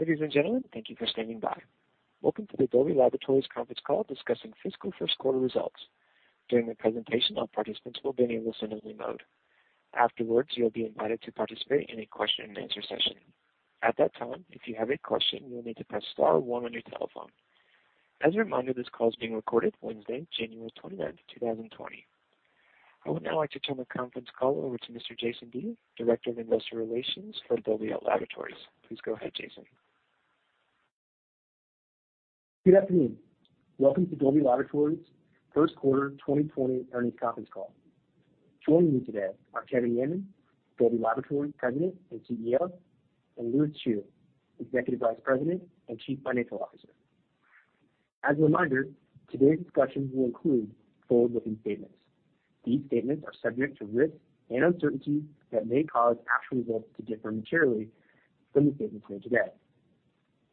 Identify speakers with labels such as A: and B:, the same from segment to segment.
A: Ladies and gentlemen, thank you for standing by. Welcome to the Dolby Laboratories conference call discussing fiscal first quarter results. During the presentation, all participants will be in listen-only mode. Afterwards, you will be invited to participate in a question and answer session. At that time, if you have a question, you will need to press star one on your telephone. As a reminder, this call is being recorded Wednesday, January 29th, 2020. I would now like to turn the conference call over to Mr. Jason Dee, Director of Investor Relations for Dolby Laboratories. Please go ahead, Jason.
B: Good afternoon. Welcome to Dolby Laboratories' first quarter 2020 earnings conference call. Joining me today are Kevin Yeaman, Dolby Laboratories President and CEO, and Lewis Chew, Executive Vice President and Chief Financial Officer. As a reminder, today's discussion will include forward-looking statements. These statements are subject to risks and uncertainties that may cause actual results to differ materially from the statements made today.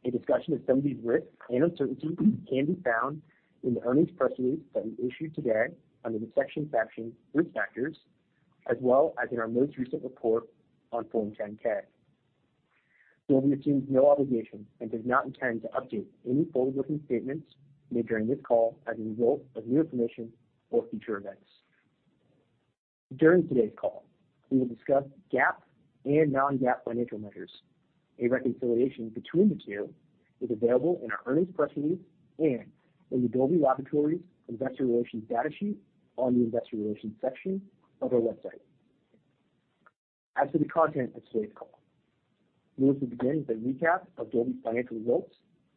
B: A discussion of some of these risks and uncertainties can be found in the earnings press release that we issued today under the section captioned risk factors, as well as in our most recent report on Form 10-K. Dolby assumes no obligation and does not intend to update any forward-looking statements made during this call as a result of new information or future events. During today's call, we will discuss GAAP and non-GAAP financial measures. A reconciliation between the two is available in our earnings press release and in the Dolby Laboratories investor relations data sheet on the investor relations section of our website. As to the content of today's call, Lewis will begin with a recap of Dolby's financial results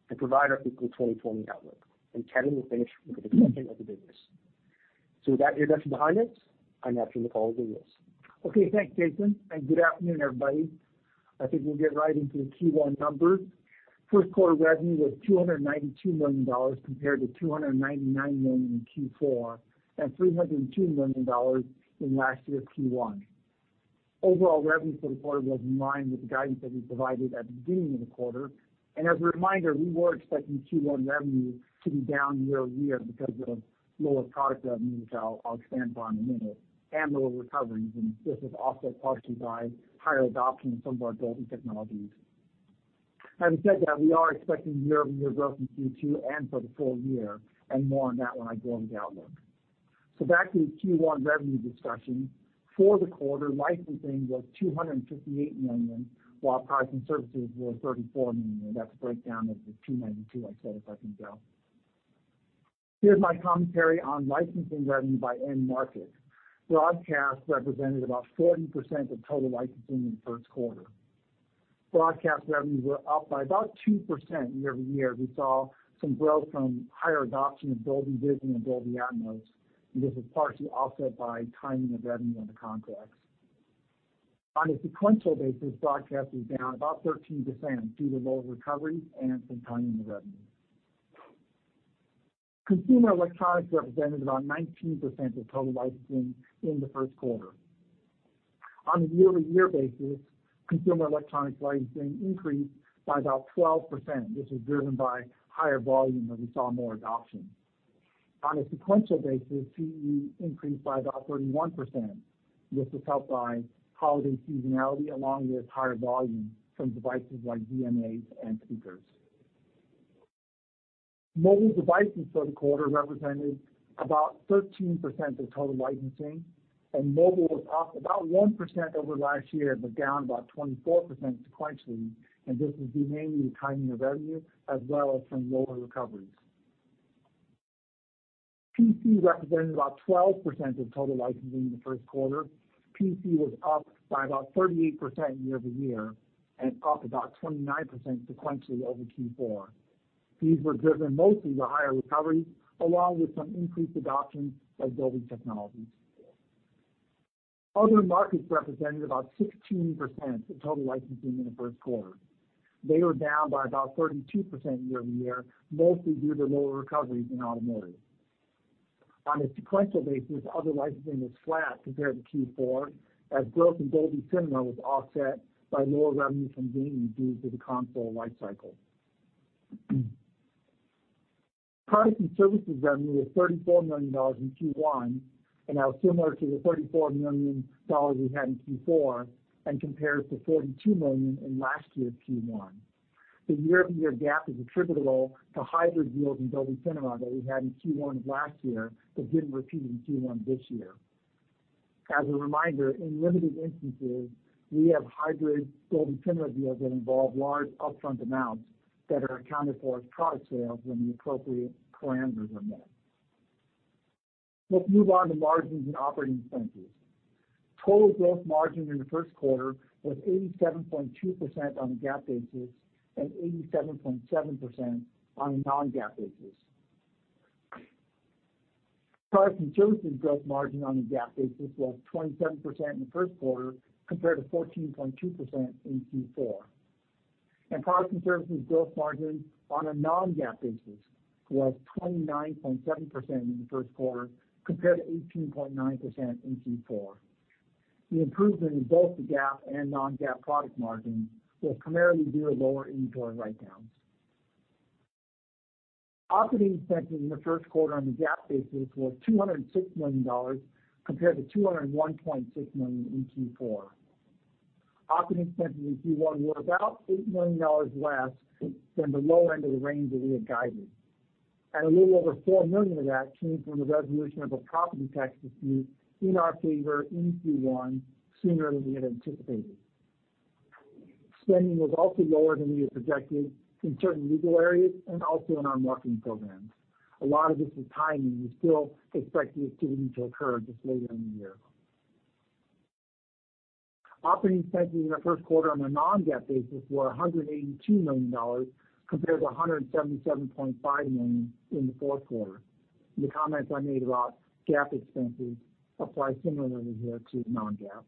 B: and provide our fiscal 2020 outlook, and Kevin will finish with a discussion of the business. With that introduction behind us, I now turn the call over to Lewis.
C: Okay, thanks, Jason. Good afternoon, everybody. I think we'll get right into the Q1 numbers. First quarter revenue was $292 million, compared to $299 million in Q4 and $302 million in last year's Q1. Overall revenue for the quarter was in line with the guidance that we provided at the beginning of the quarter. As a reminder, we were expecting Q1 revenue to be down year-over-year because of lower product revenues, which I'll expand upon in a minute, and lower recoveries. This was offset partially by higher adoption of some of our Dolby technologies. Having said that, we are expecting year-over-year growth in Q2 and for the full year, and more on that when I go over the outlook. Back to the Q1 revenue discussion. For the quarter, licensing was $258 million, while products and services were $34 million. That's a breakdown of the $292 million I said a second ago. Here's my commentary on licensing revenue by end market. Broadcast represented about 40% of total licensing in the first quarter. Broadcast revenues were up by about 2% year-over-year. We saw some growth from higher adoption of Dolby Vision and Dolby Atmos, and this was partially offset by timing of revenue on the contracts. On a sequential basis, broadcast was down about 13% due to lower recoveries and some timing of revenue. Consumer electronics represented about 19% of total licensing in the first quarter. On a year-over-year basis, consumer electronics licensing increased by about 12%, which was driven by higher volume, as we saw more adoption. On a sequential basis, CE increased by about 31%. This was helped by holiday seasonality, along with higher volume from devices like DMAs and speakers. Mobile devices for the quarter represented about 13% of total licensing, and mobile was up about 1% over last year, but down about 24% sequentially, and this was due mainly to timing of revenue as well as from lower recoveries. PC represented about 12% of total licensing in the first quarter. PC was up by about 38% year-over-year and up about 29% sequentially over Q4. These were driven mostly by higher recoveries, along with some increased adoption of Dolby technologies. Other markets represented about 16% of total licensing in the first quarter. They were down by about 32% year-over-year, mostly due to lower recoveries in automotive. On a sequential basis, other licensing was flat compared to Q4, as growth in Dolby Cinema was offset by lower revenue from gaming due to the console life cycle. Products and services revenue was $34 million in Q1, that was similar to the $34 million we had in Q4 and compares to $42 million in last year's Q1. The year-over-year gap is attributable to hybrid deals in Dolby Cinema that we had in Q1 of last year that didn't repeat in Q1 this year. As a reminder, in limited instances, we have hybrid Dolby Cinema deals that involve large upfront amounts that are accounted for as product sales when the appropriate parameters are met. Let's move on to margins and operating expenses. Total gross margin in the first quarter was 87.2% on a GAAP basis and 87.7% on a non-GAAP basis. Products and services gross margin on a GAAP basis was 27% in the first quarter, compared to 14.2% in Q4. Products and services growth margin on a non-GAAP basis was 29.7% in the first quarter, compared to 18.9% in Q4. The improvement in both the GAAP and non-GAAP product margin was primarily due to lower inventory write-down. Operating expenses in the first quarter on a GAAP basis were $206 million compared to $201.6 million in Q4. Operating expenses in Q1 were about $8 million less than the low end of the range that we had guided. A little over $4 million of that came from the resolution of a property tax dispute in our favor in Q1, sooner than we had anticipated. Spending was also lower than we had projected in certain legal areas and also in our marketing programs. A lot of this is timing. We still expect these to occur just later in the year. Operating expenses in the first quarter on a non-GAAP basis were $182 million compared to $177.5 million in the fourth quarter. The comments I made about GAAP expenses apply similarly here to the non-GAAP.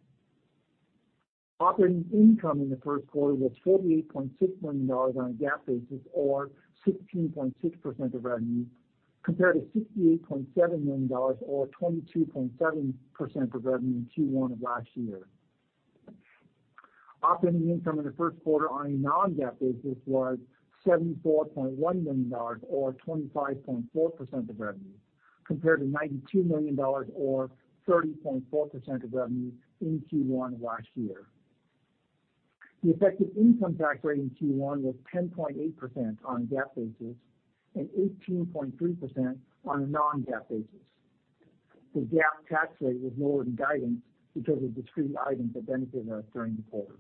C: Operating income in the first quarter was $48.6 million on a GAAP basis, or 16.6% of revenue, compared to $68.7 million or 22.7% of revenue in Q1 of last year. Operating income in the first quarter on a non-GAAP basis was $74.1 million, or 25.4% of revenue, compared to $92 million, or 30.4% of revenue in Q1 last year. The effective income tax rate in Q1 was 10.8% on a GAAP basis and 18.3% on a non-GAAP basis. The GAAP tax rate was lower than guidance because of discrete items that benefited us during the quarter.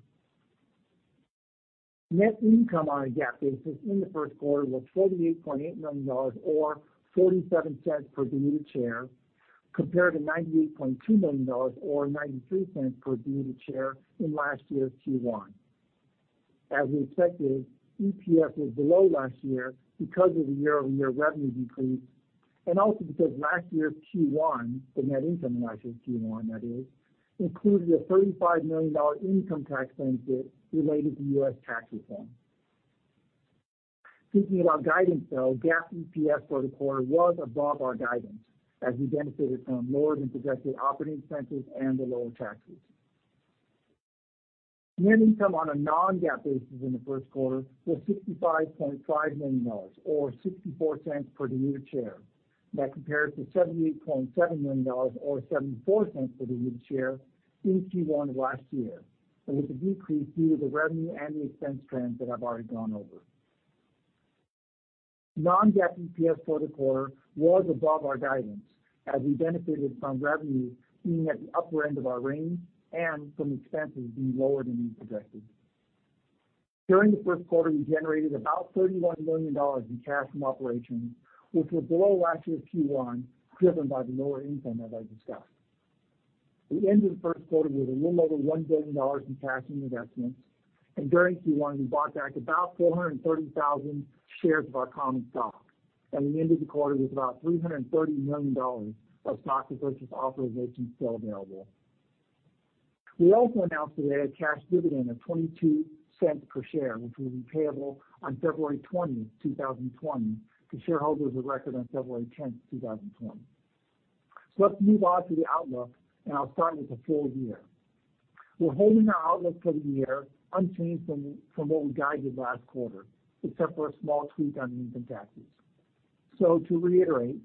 C: Net income on a GAAP basis in the first quarter was $48.8 million, or $0.47 per diluted share, compared to $98.2 million or $0.93 per diluted share in last year's Q1. As we expected, EPS was below last year because of the year-over-year revenue decrease and also because last year's Q1, the net income in last year's Q1 that is, included a $35 million income tax benefit related to U.S. tax reform. Speaking about guidance, though, GAAP EPS for the quarter was above our guidance as we benefited from lower-than-projected operating expenses and the lower taxes. Net income on a non-GAAP basis in the first quarter was $65.5 million, or $0.64 per diluted share. That compares to $78.7 million or $0.74 per diluted share in Q1 last year, and was a decrease due to the revenue and the expense trends that I've already gone over. Non-GAAP EPS for the quarter was above our guidance as we benefited from revenue being at the upper end of our range and from expenses being lower than we projected. During the first quarter, we generated about $31 million in cash from operations, which was below last year's Q1, driven by the lower income, as I discussed. At the end of the first quarter was a little over $1 billion in cash and investments, and during Q1, we bought back about 430,000 shares of our common stock. At the end of the quarter was about $330 million of stock repurchase authorization still available. We also announced today a cash dividend of $0.22 per share, which will be payable on February 20, 2020, to shareholders of record on February 10, 2020. Let's move on to the outlook, and I'll start with the full year. We're holding our outlook for the year unchanged from what we guided last quarter, except for a small tweak on income taxes. To reiterate,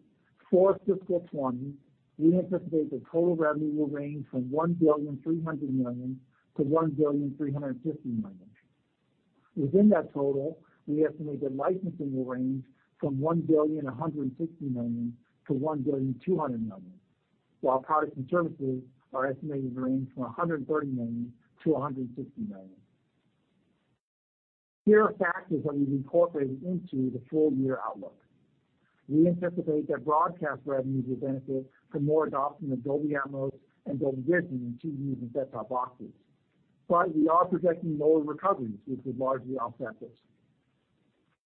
C: for fiscal 2020, we anticipate that total revenue will range from $1.3 billion-$1.350 billion. Within that total, we estimate that licensing will range from $1.160 billion-$1.200 billion, while products and services are estimated to range from $130 million-$160 million. Here are factors that we've incorporated into the full-year outlook. We anticipate that broadcast revenues will benefit from more adoption of Dolby Atmos and Dolby Vision in TVs and set-top boxes. We are projecting lower recoveries, which will largely offset this.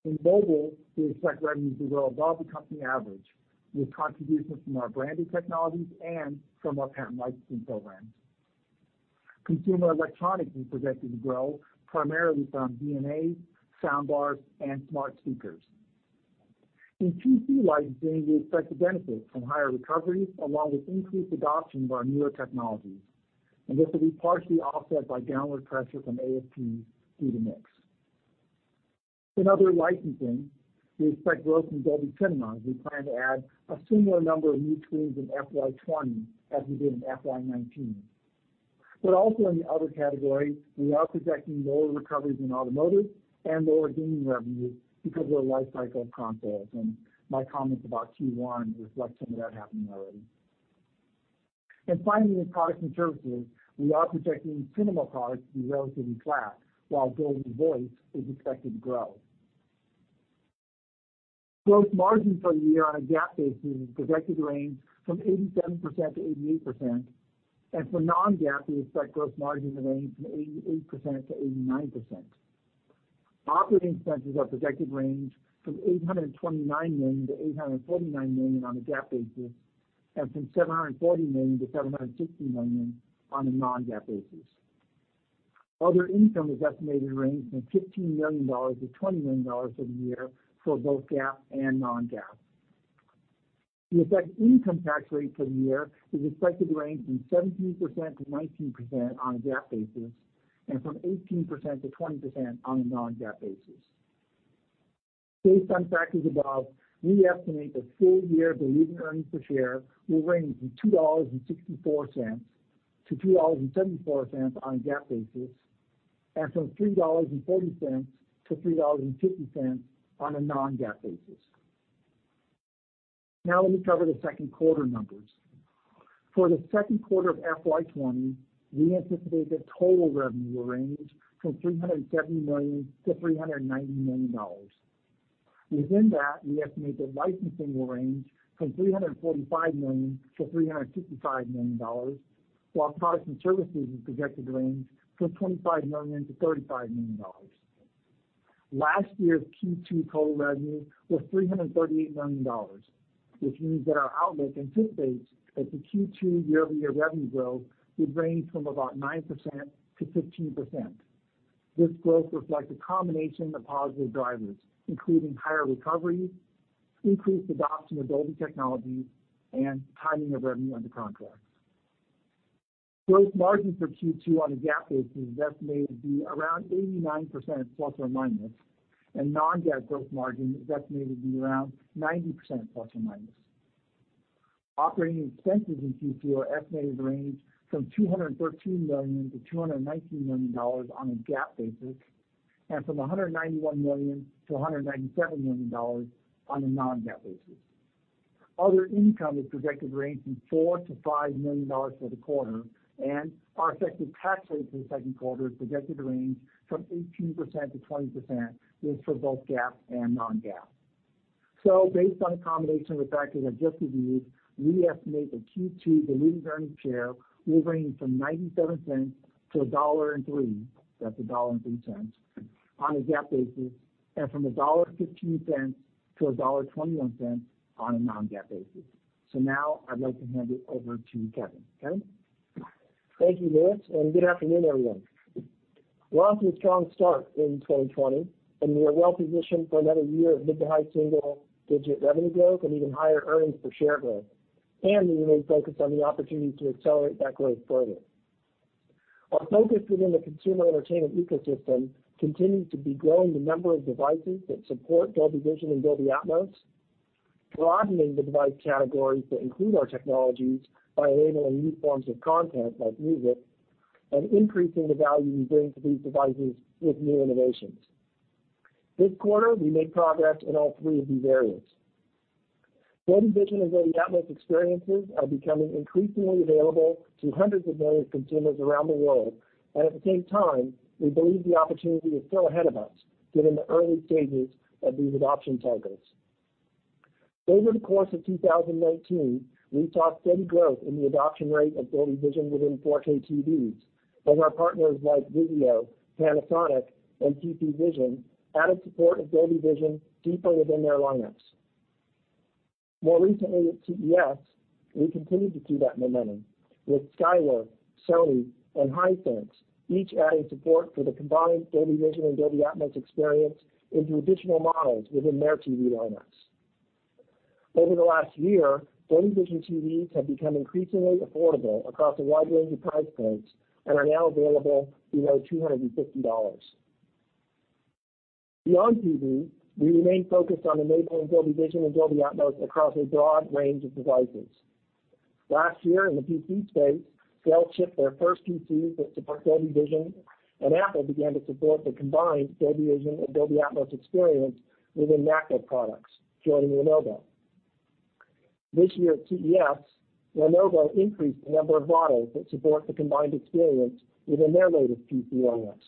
C: In mobile, we expect revenues to grow above the company average, with contributions from our branded technologies and from our patent licensing programs. Consumer electronics we project to grow primarily from DMA, soundbars, and smart speakers. In TV licensing, we expect the benefit from higher recoveries along with increased adoption of our newer technologies, and this will be partially offset by downward pressure from ASP due to mix. In other licensing, we expect growth in Dolby Cinema, as we plan to add a similar number of new tools in FY 2020 as we did in FY 2019. Also in the other category, we are projecting lower recoveries in automotive and lower gaming revenue because of their life cycle of consoles, and my comments about Q1 reflect some of that happening already. Finally, in products and services, we are projecting cinema products to be relatively flat, while Dolby Voice is expected to grow. Gross margin for the year on a GAAP basis is projected to range from 87%-88%, and for non-GAAP, we expect gross margin to range from 88%-89%. Operating expenses are projected to range from $829 million-$849 million on a GAAP basis, and from $740 million-$760 million on a non-GAAP basis. Other income is estimated to range from $15 million-$20 million for the year for both GAAP and non-GAAP. The effective income tax rate for the year is expected to range from 17%-19% on a GAAP basis, and from 18%-20% on a non-GAAP basis. Based on factors above, we estimate that full-year diluted earnings per share will range from $2.64-$2.74 on a GAAP basis, and from $3.40-$3.50 on a non-GAAP basis. Now let me cover the second quarter numbers. For the second quarter of FY 2020, we anticipate that total revenue will range from $370 million-$390 million. Within that, we estimate that licensing will range from $345 million-$355 million, while products and services is projected to range from $25 million-$35 million. Last year's Q2 total revenue was $338 million, which means that our outlook anticipates that the Q2 year-over-year revenue growth would range from about 9%-15%. This growth reflects a combination of positive drivers, including higher recovery, increased adoption of Dolby technologies, and timing of revenue under contracts. Gross margin for Q2 on a GAAP basis is estimated to be around 89% ±, and non-GAAP gross margin is estimated to be around 90% ±. Operating expenses in Q2 are estimated to range from $213 million-$219 million on a GAAP basis, and from $191 million-$197 million on a non-GAAP basis. Other income is projected to range from $4 million-$5 million for the quarter, and our effective tax rate for the second quarter is projected to range from 18%-20%, this for both GAAP and non-GAAP. Based on a combination of the factors I've just reviewed, we estimate that Q2 diluted earnings a share will range from $0.97-$1.03 on a GAAP basis, and from $1.15-$1.21 on a non-GAAP basis. Now I'd like to hand it over to Kevin. Kevin?
D: Thank you, Lewis. Good afternoon, everyone. We're off to a strong start in 2020. We are well-positioned for another year of mid to high single-digit revenue growth and even higher earnings per share growth. We remain focused on the opportunity to accelerate that growth further. Our focus within the consumer entertainment ecosystem continues to be growing the number of devices that support Dolby Vision and Dolby Atmos, broadening the device categories that include our technologies by enabling new forms of content like music, and increasing the value we bring to these devices with new innovations. This quarter, we made progress in all three of these areas. Dolby Vision and Dolby Atmos experiences are becoming increasingly available to hundreds of millions of consumers around the world. At the same time, we believe the opportunity is still ahead of us given the early stages of these adoption cycles. Over the course of 2019, we saw steady growth in the adoption rate of Dolby Vision within 4K TVs as our partners like Vizio, Panasonic, and TP Vision added support of Dolby Vision deeper within their lineups. More recently at CES, we continued to see that momentum with Skyworth, Sony, and Hisense each adding support for the combined Dolby Vision and Dolby Atmos experience into additional models within their TV lineups. Over the last year, Dolby Vision TVs have become increasingly affordable across a wide range of price points and are now available below $250. Beyond TVs, we remain focused on enabling Dolby Vision and Dolby Atmos across a broad range of devices. Last year in the PC space, Dell shipped their first PCs that support Dolby Vision, and Apple began to support the combined Dolby Vision and Dolby Atmos experience within MacBook products, joining Lenovo. This year at CES, Lenovo increased the number of models that support the combined experience within their native PC OS.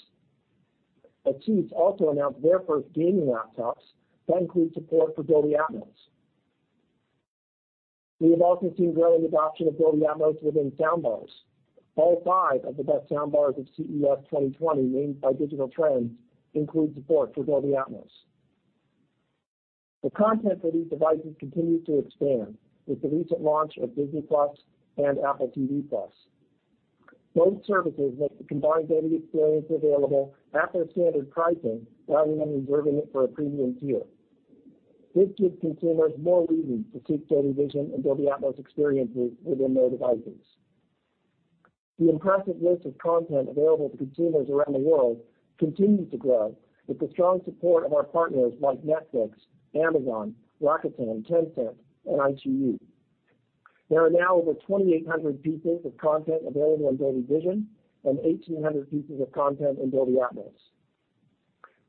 D: Asus also announced their first gaming laptops that include support for Dolby Atmos. We have also seen growing adoption of Dolby Atmos within soundbars. All five of the best soundbars of CES 2020 named by Digital Trends include support for Dolby Atmos. The content for these devices continues to expand with the recent launch of Disney+ and Apple TV+. Both services make the combined Dolby experience available at their standard pricing rather than reserving it for a premium tier. This gives consumers more reason to seek Dolby Vision and Dolby Atmos experiences within their devices. The impressive list of content available to consumers around the world continues to grow with the strong support of our partners like Netflix, Amazon, Rakuten, Tencent, and iQIYI. There are now over 2,800 pieces of content available in Dolby Vision and 1,800 pieces of content in Dolby Atmos.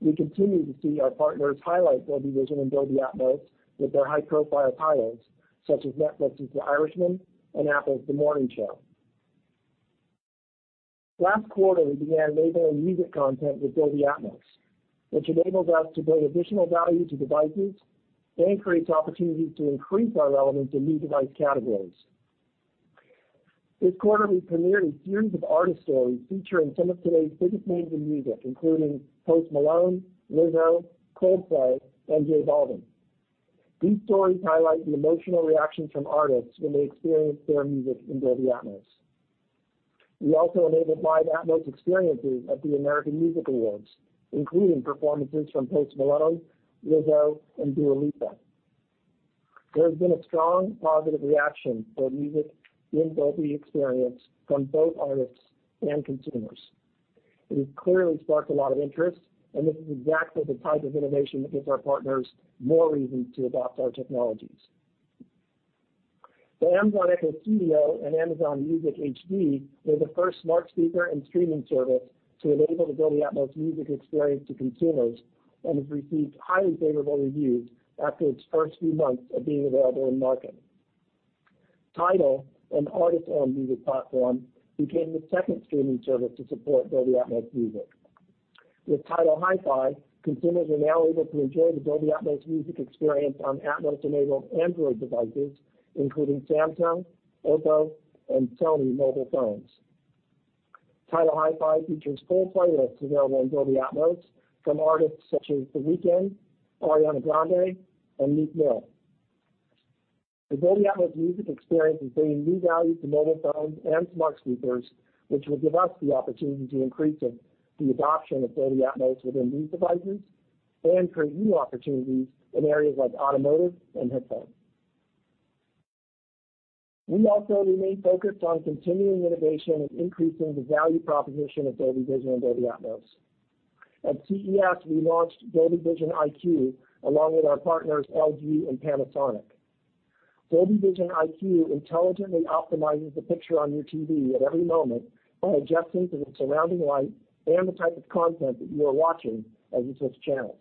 D: We continue to see our partners highlight Dolby Vision and Dolby Atmos with their high-profile titles, such as Netflix's The Irishman and Apple's The Morning Show. Last quarter, we began enabling music content with Dolby Atmos, which enables us to bring additional value to devices and creates opportunities to increase our relevance in new device categories. This quarter, we premiered a series of artist stories featuring some of today's biggest names in music, including Post Malone, Lizzo, Coldplay, and J Balvin. These stories highlight the emotional reaction from artists when they experience their music in Dolby Atmos. We also enabled live Atmos experiences at the American Music Awards, including performances from Post Malone, Lizzo and Dua Lipa. There has been a strong positive reaction for music in Dolby experience from both artists and consumers. It has clearly sparked a lot of interest, and this is exactly the type of innovation that gives our partners more reason to adopt our technologies. The Amazon Echo Studio and Amazon Music HD were the first smart speaker and streaming service to enable the Dolby Atmos Music experience to consumers and has received highly favorable reviews after its first few months of being available in market. TIDAL, an artist-owned music platform, became the second streaming service to support Dolby Atmos Music. With TIDAL HiFi, consumers are now able to enjoy the Dolby Atmos Music experience on Atmos-enabled Android devices, including Samsung, Oppo and Sony mobile phones. TIDAL HiFi features full playlists available in Dolby Atmos from artists such as The Weeknd, Ariana Grande and Meek Mill. The Dolby Atmos music experience is bringing new value to mobile phones and smart speakers, which will give us the opportunity to increase the adoption of Dolby Atmos within these devices and create new opportunities in areas like automotive and headphones. We also remain focused on continuing innovation and increasing the value proposition of Dolby Vision and Dolby Atmos. At CES, we launched Dolby Vision IQ along with our partners, LG and Panasonic. Dolby Vision IQ intelligently optimizes the picture on your TV at every moment by adjusting to the surrounding light and the type of content that you are watching as you switch channels.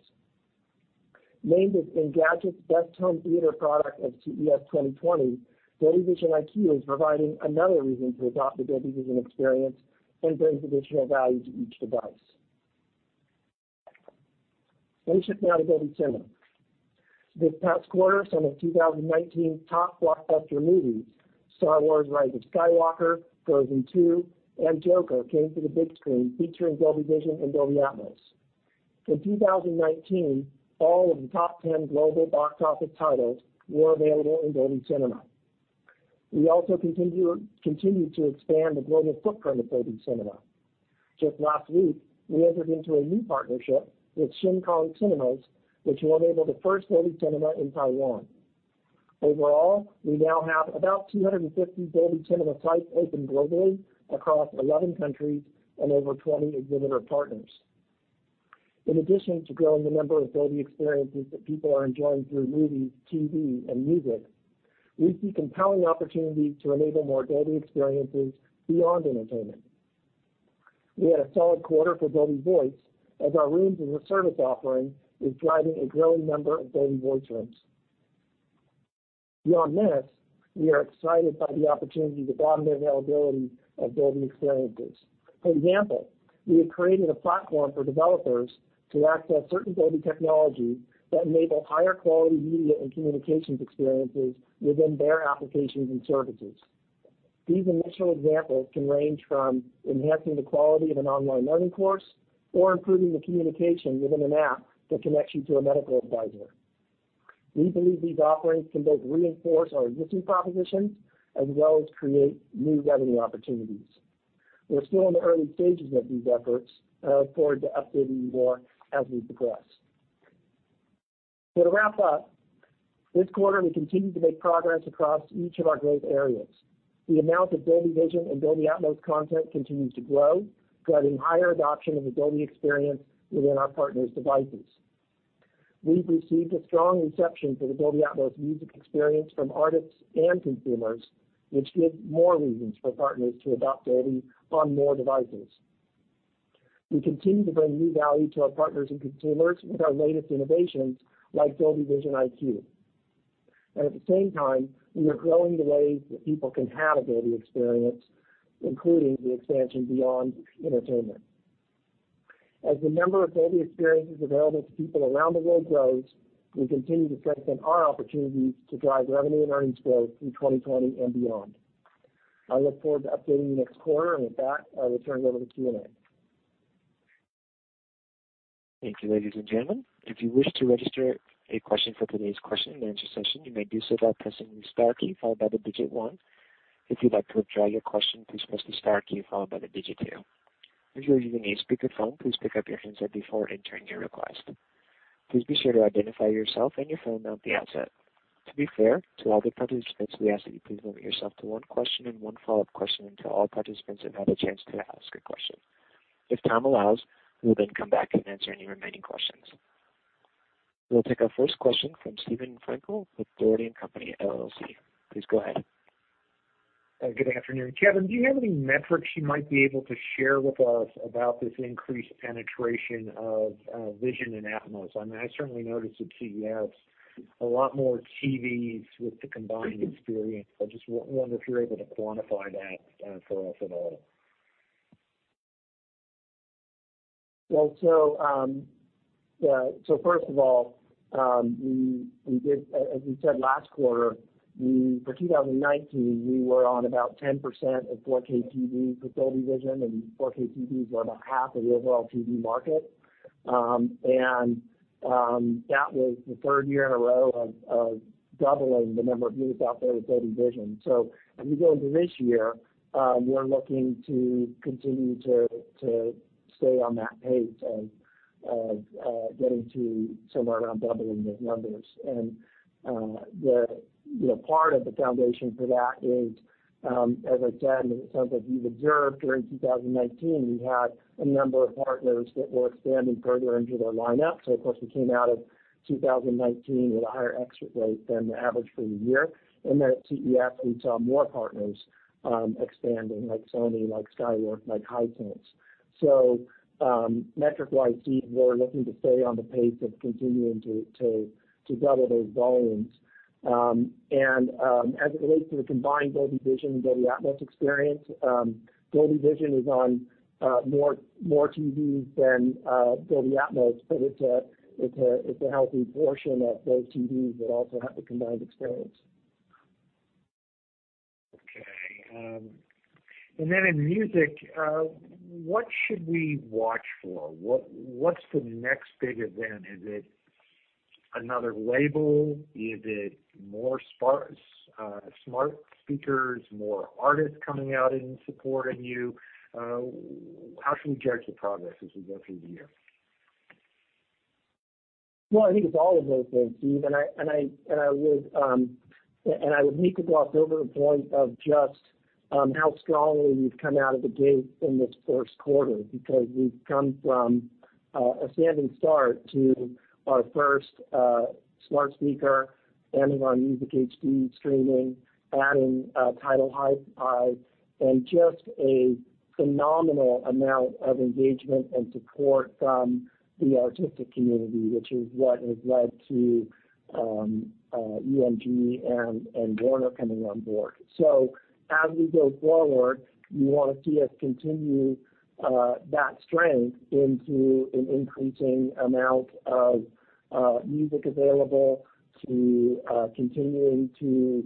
D: Named as Engadget's best home theater product of CES 2020, Dolby Vision IQ is providing another reason to adopt the Dolby Vision experience and brings additional value to each device. Let's shift now to Dolby Cinema. This past quarter, some of 2019 top blockbuster movies, "Star Wars: Rise of Skywalker," "Frozen II" and "Joker" came to the big screen featuring Dolby Vision and Dolby Atmos. In 2019, all of the top 10 global box office titles were available in Dolby Cinema. We also continued to expand the global footprint of Dolby Cinema. Just last week, we entered into a new partnership with Shin Kong Cinemas, which will enable the first Dolby Cinema in Taiwan. Overall, we now have about 250 Dolby Cinema sites open globally across 11 countries and over 20 exhibitor partners. In addition to growing the number of Dolby experiences that people are enjoying through movies, TV and music, we see compelling opportunities to enable more Dolby experiences beyond entertainment. We had a solid quarter for Dolby Voice as our Rooms as a Service offering is driving a growing number of Dolby Voice rooms. Beyond this, we are excited by the opportunity to broaden the availability of Dolby experiences. For example, we have created a platform for developers to access certain Dolby technology that enable higher quality media and communications experiences within their applications and services. These initial examples can range from enhancing the quality of an online learning course or improving the communication within an app that connects you to a medical advisor. We believe these offerings can both reinforce our existing propositions as well as create new revenue opportunities. We're still in the early stages of these efforts. I look forward to updating you more as we progress. To wrap up, this quarter, we continued to make progress across each of our growth areas. The amount of Dolby Vision and Dolby Atmos content continues to grow, driving higher adoption of the Dolby experience within our partners' devices. We've received a strong reception for the Dolby Atmos Music experience from artists and consumers, which gives more reasons for partners to adopt Dolby on more devices. We continue to bring new value to our partners and consumers with our latest innovations like Dolby Vision IQ. At the same time, we are growing the ways that people can have a Dolby experience, including the expansion beyond entertainment. As the number of Dolby experiences available to people around the world grows, we continue to strengthen our opportunities to drive revenue and earnings growth through 2020 and beyond. I look forward to updating you next quarter, and with that, I will turn it over to Q&A.
A: Thank you, ladies and gentlemen. If you wish to register a question for today's question-and-answer session, you may do so by pressing the star key followed by the digit one. If you'd like to withdraw your question, please press the star key followed by the digit two. If you are using a speakerphone, please pick up your handset before entering your request. Please be sure to identify yourself and your firm at the outset. To be fair to all the participants, we ask that you please limit yourself to one question and one follow-up question until all participants have had a chance to ask a question. If time allows, we will then come back and answer any remaining questions. We'll take our first question from Steven Frankel with Dougherty & Company LLC. Please go ahead.
E: Good afternoon. Kevin, do you have any metrics you might be able to share with us about this increased penetration of Vision and Atmos? I certainly noticed at CES a lot more TVs with the combined experience. I just wonder if you're able to quantify that for us at all.
D: First of all, as we said last quarter, for 2019, we were on about 10% of 4K TV with Dolby Vision, and 4K TVs were about half of the overall TV market. That was the third year in a row of doubling the number of units out there with Dolby Vision. As we go into this year, we're looking to continue to stay on that pace of getting to somewhere around doubling those numbers. The part of the foundation for that is, as I said, and it sounds like you've observed during 2019, we had a number of partners that were expanding further into their lineup. Of course, we came out of 2019 with a higher exit rate than the average for the year. At CES, we saw more partners expanding, like Sony, like Skyworth, like Hisense. Metric-wise, Steve, we're looking to stay on the pace of continuing to double those volumes. As it relates to the combined Dolby Vision and Dolby Atmos experience, Dolby Vision is on more TVs than Dolby Atmos, but it's a healthy portion of those TVs that also have the combined experience.
E: Okay. Then in music, what should we watch for? What's the next big event? Is it another label? Is it more smart speakers, more artists coming out and supporting you? How should we judge the progress as we go through the year?
D: Well, I think it's all of those things, Steve. I would meekly gloss over the point of just how strongly we've come out of the gate in this first quarter, because we've come from a standing start to our first smart speaker, adding our Music HD streaming, adding TIDAL HiFi, and just a phenomenal amount of engagement and support from the artistic community, which is what has led to UMG and Warner coming on board. As we go forward, you want to see us continue that strength into an increasing amount of music available to continuing to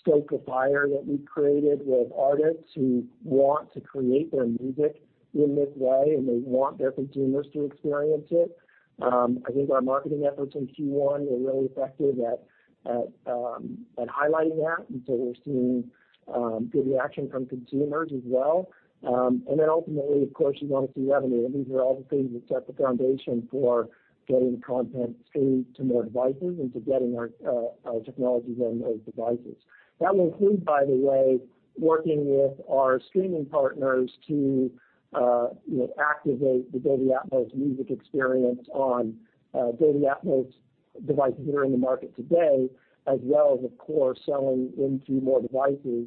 D: stoke the fire that we've created with artists who want to create their music in this way, and they want their consumers to experience it. I think our marketing efforts in Q1 are really effective at highlighting that. We're seeing good reaction from consumers as well. Ultimately, of course, you want to see revenue. These are all the things that set the foundation for getting content streamed to more devices and to getting our technologies on those devices. That will include, by the way, working with our streaming partners to activate the Dolby Atmos Music experience on Dolby Atmos devices that are in the market today, as well as, of course, selling into more devices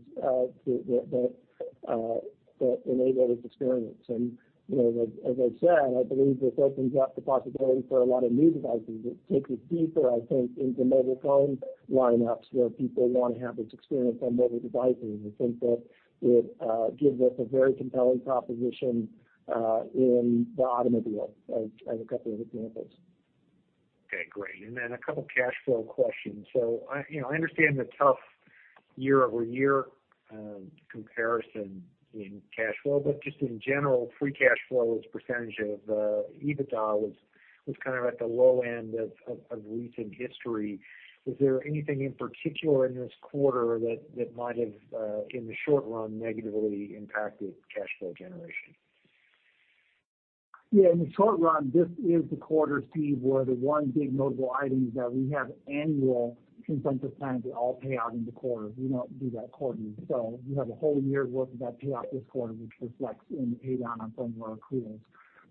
D: that enable this experience. As I've said, I believe this opens up the possibility for a lot of new devices. It takes us deeper, I think, into mobile phone lineups where people want to have this experience on mobile devices. I think that it gives us a very compelling proposition in the automobile, as a couple of examples.
E: Okay, great. A couple cash flow questions. I understand the tough year-over-year comparison in cash flow. Just in general, free cash flow as percentage of EBITDA was kind of at the low end of recent history. Was there anything in particular in this quarter that might have, in the short run, negatively impacted cash flow generation?
D: Yeah, in the short run, this is the quarter, Steve, where the one big notable item is that we have annual incentive plans that all pay out in the quarter. We don't do that quarterly. You have a whole year's worth of that pay out this quarter, which reflects in the pay down on some of our accruals.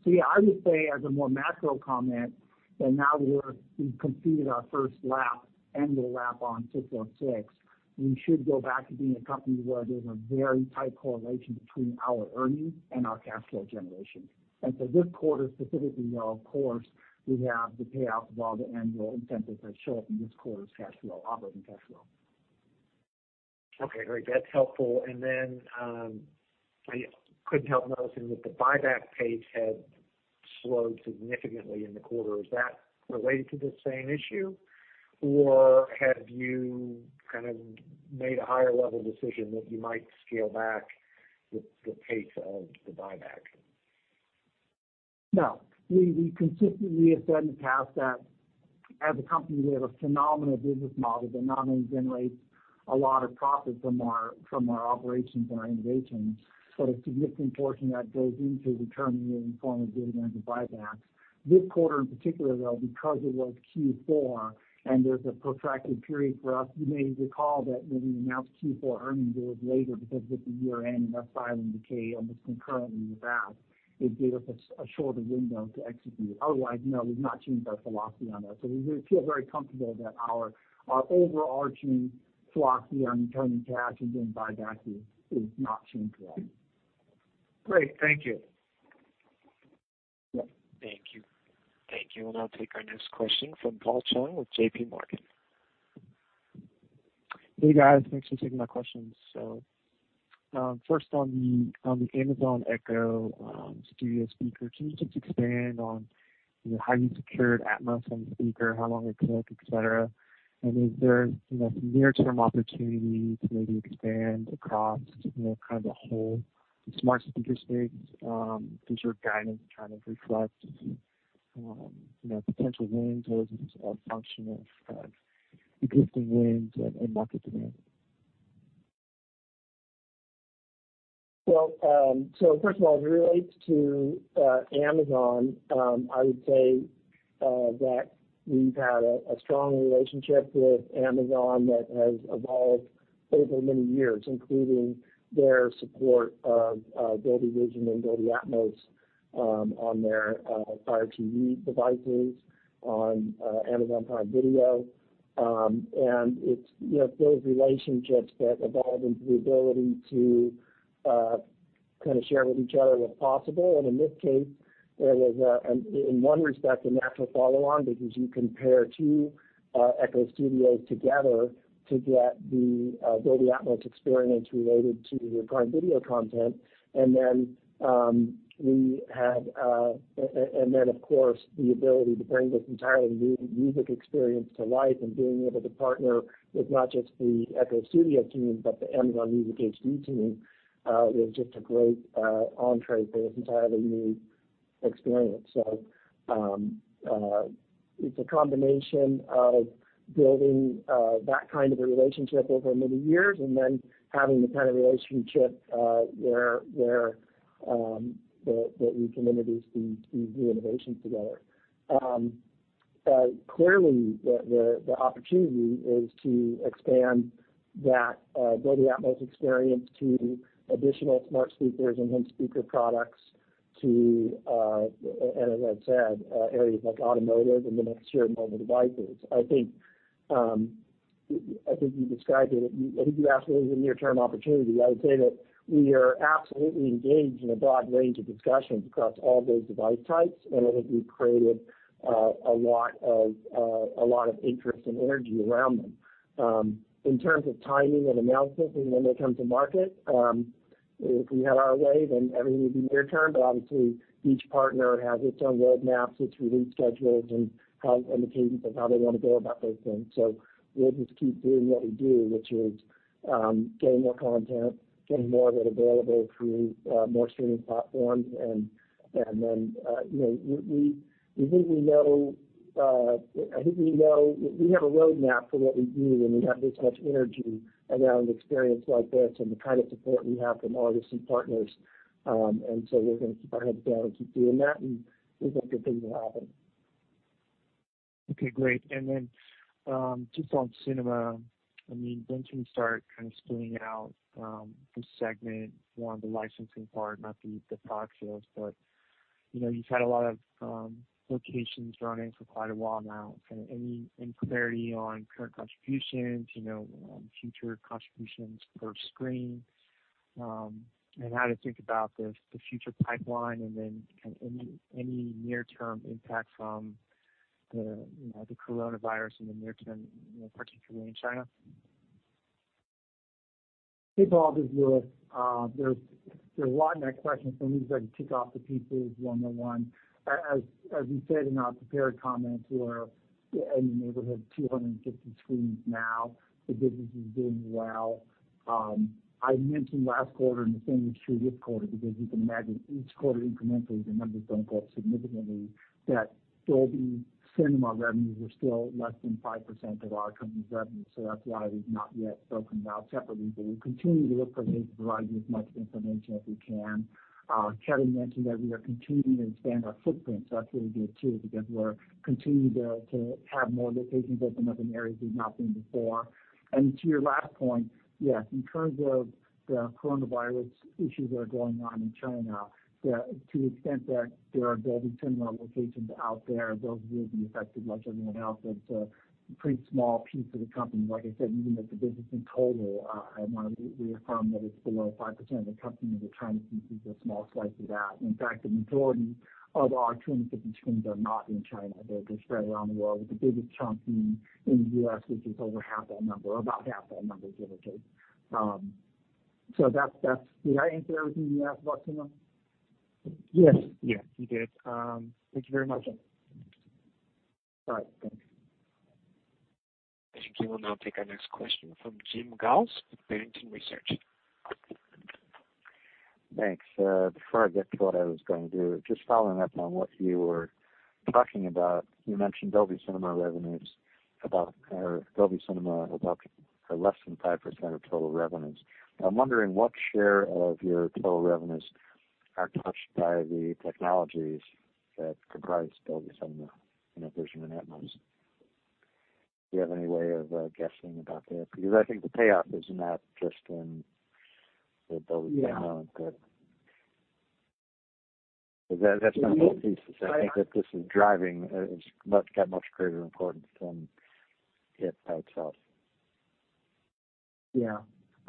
D: Yeah, I would say as a more macro comment, that now we've completed our first lap, annual lap on 606. We should go back to being a company where there's a very tight correlation between our earnings and our cash flow generation. This quarter specifically, though, of course, we have the payout of all the annual incentives that show up in this quarter's cash flow, operating cash flow.
E: Okay, great. That's helpful. I couldn't help noticing that the buyback pace had slowed significantly in the quarter. Is that related to this same issue, or have you kind of made a higher-level decision that you might scale back the pace of the buyback?
D: No. We consistently have said in the past that as a company, we have a phenomenal business model that not only generates a lot of profit from our operations and our engagements, but a significant portion of that goes into returning it in the form of dividends and buybacks. This quarter in particular, though, because it was Q4 and there's a protracted period for us, you may recall that when we announced Q4 earnings, it was later because it was the year-end and that filing delay almost concurrently with that, it gave us a shorter window to execute. Otherwise, no, we've not changed our philosophy on that. We feel very comfortable that our overarching philosophy on returning cash and doing buybacks is not changed at all.
E: Great. Thank you.
D: Yeah.
A: Thank you. Thank you. I'll take our next question from Paul Chung with JPMorgan.
F: Hey guys, thanks for taking my questions. First on the Amazon Echo Studio speaker, can you just expand on how you secured Atmos on the speaker, how long it took, et cetera? Is there some near-term opportunity to maybe expand across, kind of the whole smart speaker space? Does your guidance kind of reflect potential wins or is it more a function of existing wins and market demand?
D: Well, first of all, as it relates to Amazon, I would say that we've had a strong relationship with Amazon that has evolved over many years, including their support of Dolby Vision and Dolby Atmos on their Fire TV devices, on Amazon Prime Video. It's those relationships that evolve into the ability to share with each other what's possible. In this case, there was a, in one respect, a natural follow-on because you can pair two Echo Studios together to get the Dolby Atmos experience related to your Prime Video content. Then of course, the ability to bring this entirely new music experience to life and being able to partner with not just the Echo Studio team, but the Amazon Music HD team, was just a great entree for this entirely new experience. It's a combination of building that kind of a relationship over many years and then having the kind of relationship where we can introduce these new innovations together. The opportunity is to expand that Dolby Atmos experience to additional smart speakers and home speaker products to, and as I've said, areas like automotive and the next generation of mobile devices. I think you described it. I think you asked what is the near-term opportunity. I would say that we are absolutely engaged in a broad range of discussions across all those device types, and I think we've created a lot of interest and energy around them. In terms of timing and announcements and when they come to market, if we had our way, then everything would be near term. Obviously, each partner has its own roadmaps, its release schedules, and cadence of how they want to go about those things. We'll just keep doing what we do, which is getting more content, getting more of it available through more streaming platforms. I think we know we have a roadmap for what we do, and we have this much energy around experience like this and the kind of support we have from artists and partners. We're going to keep our heads down and keep doing that, and we think good things will happen.
F: Okay, great. Just on cinema, when can we start kind of spinning out the segment on the licensing part, not the box sales, but you've had a lot of locations running for quite a while now. Any clarity on current contributions, future contributions per screen, and how to think about the future pipeline and then any near-term impact from the coronavirus in the near term, particularly in China?
C: Hey, Paul, this is Lewis. There's a lot in that question, so let me just try to tick off the pieces one by one. As we said in our prepared comments, we're in the neighborhood of 250 screens now. The business is doing well. I mentioned last quarter and the same is true this quarter, because you can imagine each quarter incrementally, the numbers don't go up significantly, that Dolby Cinema revenues are still less than 5% of our company's revenue. That's why we've not yet broken it out separately. We'll continue to look for ways to provide you as much information as we can. Kevin mentioned that we are continuing to expand our footprint. That's really good, too, because we're continuing to have more locations open up in areas we've not been before. To your last point, yes, in terms of the coronavirus issues that are going on in China, to the extent that there are Dolby Cinema locations out there, those will be affected like everyone else. It's a pretty small piece of the company. Like I said, even as the business in total, I want to reaffirm that it's below 5% of the company. The China piece is a small slice of that. In fact, the majority of our 250 screens are not in China. They're spread around the world, with the biggest chunk being in the U.S., which is over half that number, or about half that number, give or take. Did I answer everything you asked about cinema?
F: Yes. You did. Thank you very much.
C: All right, thanks.
A: I think we will now take our next question from Jim Goss with Barrington Research.
G: Thanks. Before I get to what I was going to, just following up on what you were talking about, you mentioned Dolby Cinema revenues, about Dolby Cinema, about less than 5% of total revenues. I'm wondering what share of your total revenues are touched by the technologies that comprise Dolby Cinema, in addition to Atmos. Do you have any way of guessing about that? Because I think the payoff is not just in the Dolby Cinema-
C: Yeah
G: That's been whole pieces. I think that this is driving, it's got much greater importance than it by itself.
C: Yeah.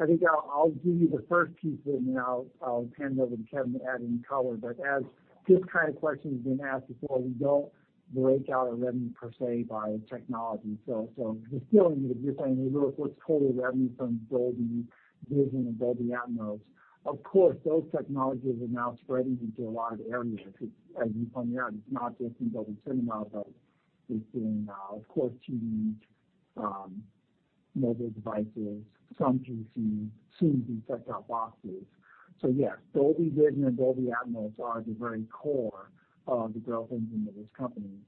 C: I think I'll give you the first piece, and then I'll hand it over to Kevin to add any color. As this kind of question's been asked before, we don't break out a revenue per se by technology. You're saying, well, what's total revenue from Dolby Vision and Dolby Atmos? Of course, those technologies are now spreading into a lot of areas. As you point out, it's not just in Dolby Cinema, but it's in, of course, TVs, mobile devices, some PCs, soon to be set-top boxes. Yes, Dolby Vision and Dolby Atmos are at the very core of the growth engine of this company.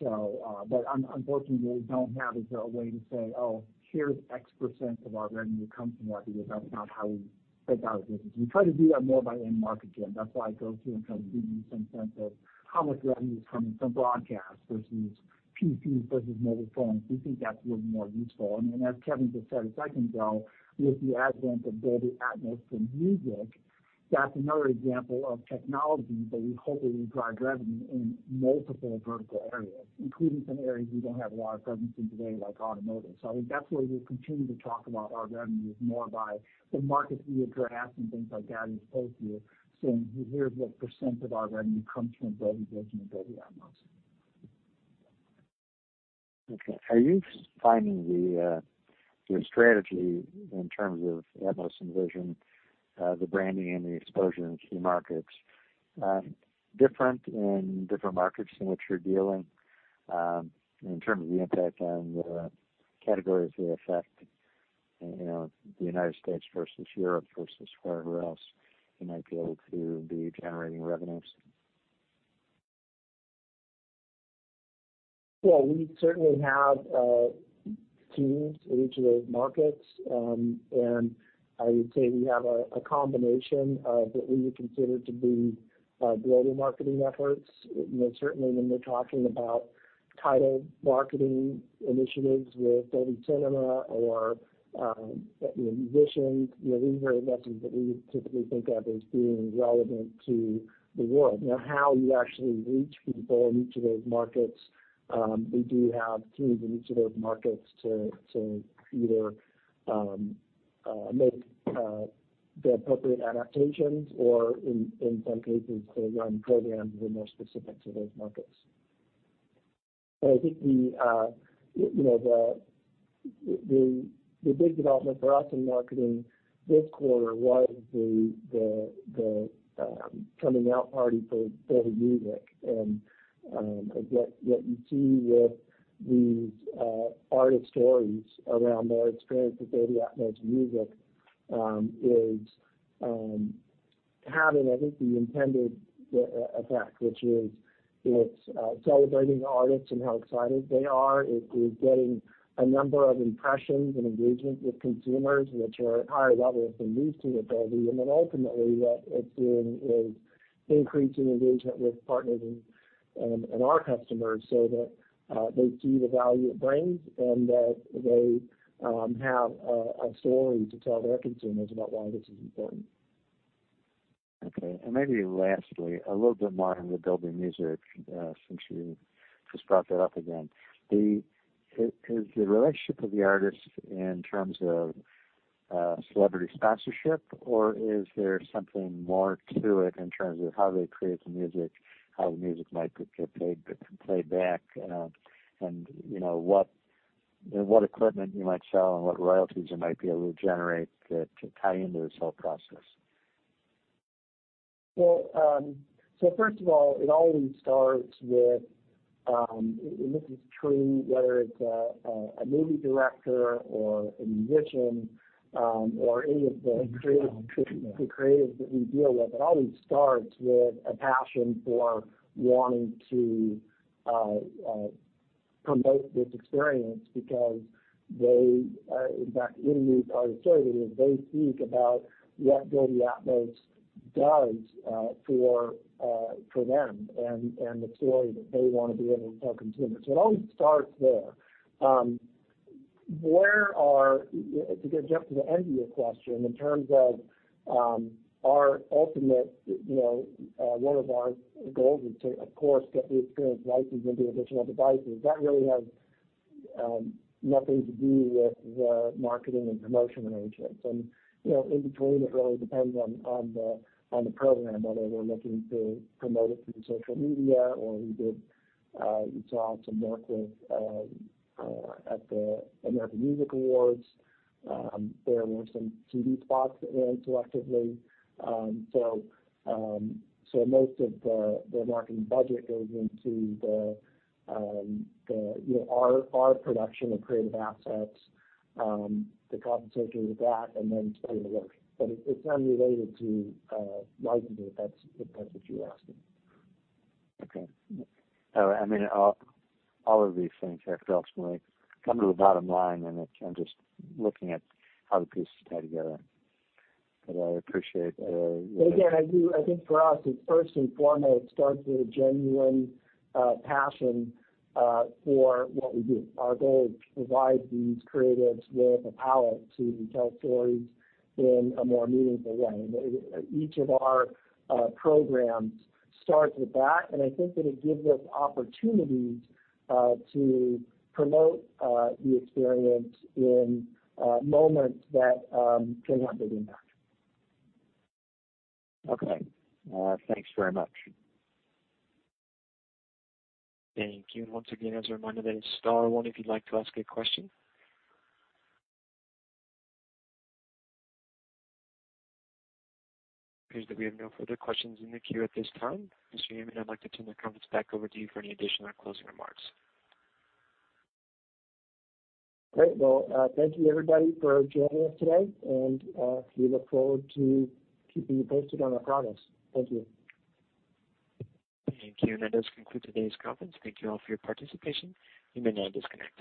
C: Unfortunately, we don't have a way to say, oh, here's X% of our revenue comes from that, because that's not how we break out our business. We try to do that more by end market, Jim. That's why I go through and kind of give you some sense of how much revenue is coming from broadcast versus PCs versus mobile phones. We think that's a little more useful. As Kevin just said a second ago, with the advent of Dolby Atmos for music, that's another example of technology that we hope will drive revenue in multiple vertical areas, including some areas we don't have a lot of presence in today, like automotive. I think that's why we'll continue to talk about our revenues more by the markets we address and things like that, as opposed to saying, here's what % of our revenue comes from Dolby Vision and Dolby Atmos.
G: Okay. Are you finding the strategy in terms of Atmos and Vision, the branding and the exposure in key markets, different in different markets in which you're dealing, in terms of the impact on the categories they affect, the U.S. versus Europe versus wherever else you might be able to be generating revenues?
D: Yeah. We certainly have teams in each of those markets. I would say we have a combination of what we would consider to be broader marketing efforts. Certainly, when we're talking about title marketing initiatives with Dolby Cinema or with musicians, these are investments that we would typically think of as being relevant to the world. How you actually reach people in each of those markets, we do have teams in each of those markets to either make the appropriate adaptations, or in some cases, to run programs that are more specific to those markets. I think the big development for us in marketing this quarter was the coming out party for Dolby Music. What you see with these artist stories around their experience with Dolby Atmos Music is having, I think, the intended effect, which is it's celebrating the artists and how excited they are. It is getting a number of impressions and engagement with consumers which are at higher levels than we've seen with Dolby. Ultimately, what it's doing is increasing engagement with partners and our customers so that they see the value it brings and that they have a story to tell their consumers about why this is important.
G: Okay. Maybe lastly, a little bit more into Dolby Music, since you just brought that up again. Is the relationship with the artists in terms of celebrity sponsorship, or is there something more to it in terms of how they create the music, how the music might get played back, and what equipment you might sell and what royalties you might be able to generate to tie into this whole process?
D: First of all, it always starts with, and this is true whether it's a movie director or a musician, or any of the creatives that we deal with. It always starts with a passion for wanting to promote this experience because they, in fact, in these artist stories, they speak about what Dolby Atmos does for them and the story that they want to be able to tell consumers. It always starts there. To jump to the end of your question, in terms of our ultimate, one of our goals is to, of course, get the experience licensed into additional devices. That really has nothing to do with the marketing and promotion arrangements. In between, it really depends on the program, whether we're looking to promote it through social media, or we did some work at the American Music Awards. There were some TV spots ran collectively. Most of the marketing budget goes into our production of creative assets, the compensation with that, and then paying the royalties. It's unrelated to licensing, if that's what you're asking.
G: Okay. All of these things have to ultimately come to the bottom line, and I'm just looking at how the pieces tie together. I appreciate your-
D: Again, I think for us, it first and foremost starts with a genuine passion for what we do. Our goal is to provide these creatives with the palette to tell stories in a more meaningful way. Each of our programs starts with that, and I think that it gives us opportunities to promote the experience in moments that can have a big impact.
G: Okay. Thanks very much.
A: Thank you. Once again, as a reminder, that is star one if you'd like to ask a question. It appears that we have no further questions in the queue at this time. Mr. Yeaman, I'd like to turn the conference back over to you for any additional closing remarks.
D: Great. Well, thank you everybody for joining us today, and we look forward to keeping you posted on our progress. Thank you.
A: Thank you. That does conclude today's conference. Thank you all for your participation. You may now disconnect.